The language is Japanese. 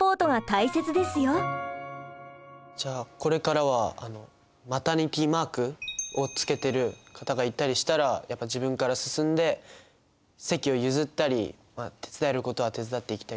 じゃあこれからはマタニティマークを付けてる方がいたりしたらやっぱ自分から進んで席を譲ったり手伝えることは手伝っていきたいと思いました。